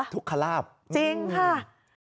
ทุกขลาบอืมจริงค่ะ